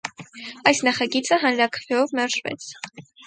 Այս նախագիծը հանրաքվեով մերժվեց։